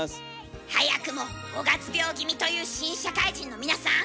早くも五月病気味という新社会人の皆さん。